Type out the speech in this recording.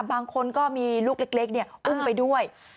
บางคนก็มีลูกเล็กอุ้มไปด้วย